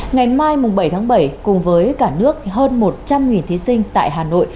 ngày mai bảy tháng bảy cùng với cả nước hơn một trăm linh thí sinh tại hà nội